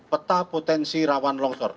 peta potensi rawan longsor